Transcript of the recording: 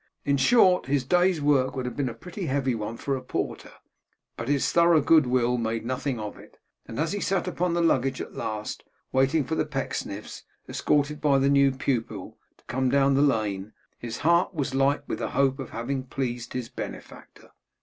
In short, his day's work would have been a pretty heavy one for a porter, but his thorough good will made nothing of it; and as he sat upon the luggage at last, waiting for the Pecksniffs, escorted by the new pupil, to come down the lane, his heart was light with the hope of having pleased his benefactor.